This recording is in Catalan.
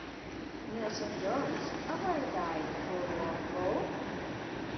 Nelson George a Where Did Our Love Go?